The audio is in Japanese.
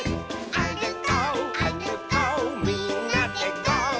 「あるこうあるこうみんなでゴー！」